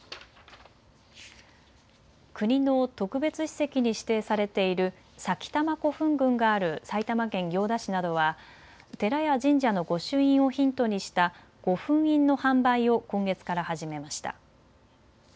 国の特別史跡に指定されている埼玉古墳群がある埼玉県行田市などは寺や神社の御朱印をヒントにした御墳印の販売を今月から始めました。